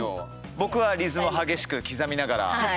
僕はリズム激しく刻みながら。